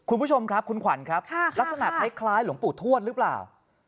คุณผู้ชมครับคุณขวัญครับลักษณะคล้ายหลวงปู่ทวดหรือเปล่า